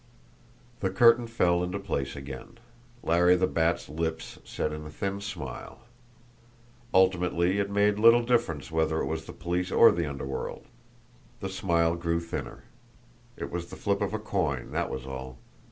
The curtain fell into place again. Larry the Bat's lips set in a thin smile. Ultimately it made little difference whether it was the police or the underworld! The smile grew thinner. It was the flip of a coin, that was all!